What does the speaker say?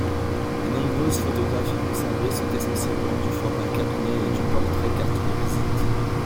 Les nombreuses photographies conservées sont essentiellement du format cabinet et du portrait carte-de-visite.